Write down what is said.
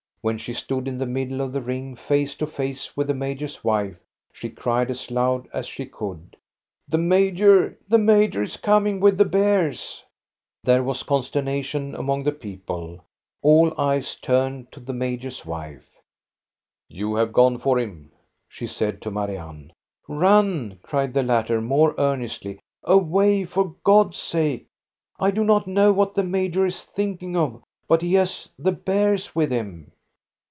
When she stood in the middle of the ring, face to face with the major's wife, she cried as loud as she could, — "The major, the major is coming with the bears !" There was consternation among the people; all eyes turned to the major's wife. You have gone for him," she said to Marianne. " Run !" cried the latter, more earnestly. " Away, for God's sake ! I do not know what the major is thinking of, but he has the bears with him."